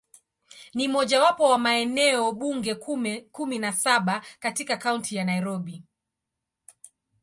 Ni mojawapo wa maeneo bunge kumi na saba katika Kaunti ya Nairobi.